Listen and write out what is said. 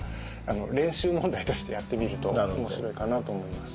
練習問題としてやってみると面白いかなと思います。